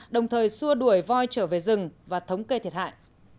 đồng thời xua đuổi voi trở về rừng và thống kê thiệt hại